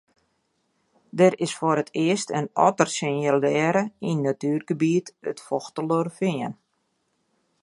Der is foar it earst in otter sinjalearre yn natuergebiet it Fochtelerfean.